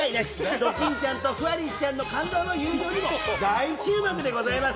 どフワリーちゃんの感動の友情にも大注目でございます。